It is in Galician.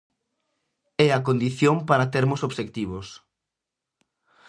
É a condición para termos obxectivos.